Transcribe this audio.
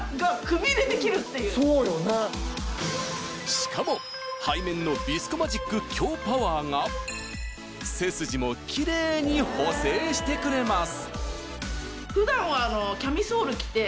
しかも背面のビスコマジック強パワーが背筋もキレイに補整してくれます